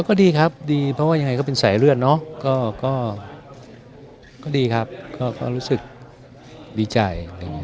ก็ดีครับดีเพราะว่ายังไงก็เป็นสายเลือดเนาะก็ดีครับก็รู้สึกดีใจ